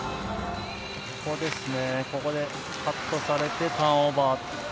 ここでカットされてターンオーバー。